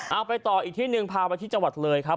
เอาไปต่ออีกที่หนึ่งพาไปที่จังหวัดเลยครับ